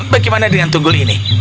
bagaimana dengan tunggul ini